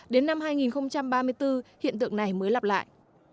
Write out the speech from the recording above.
đến năm hai nghìn ba mươi bốn hiện tượng này mới lặp lại